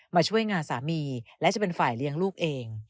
มาช่วยงานสามีและจะเป็นฝ่ายเลี้ยงลูกเอง